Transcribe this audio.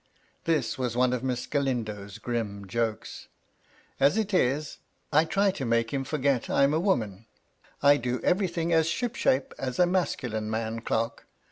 This was one of Miss Galindo's grim jokes. " As it is, I try to make him forget I'm a woman, I do everything as ship shape as a masculine man clerk.